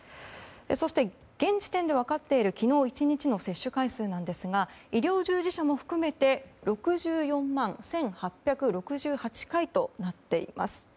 そして、現時点で分かっている昨日１日の接種回数ですが医療従事者も含めて６４万１８６８回となっています。